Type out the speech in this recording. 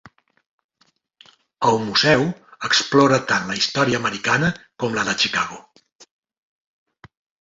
El museu explora tant la història americana com la de Chicago.